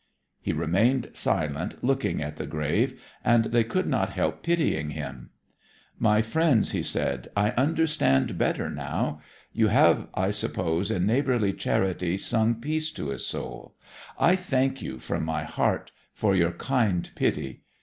He remained silent, looking at the grave, and they could not help pitying him. 'My friends,' he said, 'I understand better now. You have, I suppose, in neighbourly charity, sung peace to his soul? I thank you, from my heart, for your kind pity.